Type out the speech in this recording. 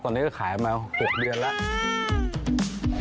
ตอนนี้ก็ขายมา๖๐๐๐บาทนะครับ